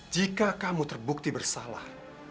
jika kamu terbukti bersalah